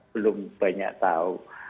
belum banyak tahu